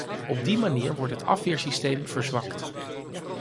Op die manier wordt het afweersysteem verzwakt.